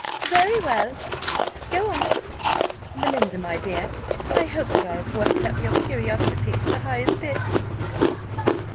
"Very well go on. Belinda, my dear, I hope that I have worked up your curiosity to the highest pitch."